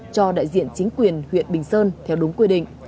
cho đại diện chính quyền huyện bình sơn theo đúng quy định